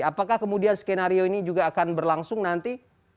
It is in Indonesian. apakah kemudian skenario ini juga akan berlangsung nanti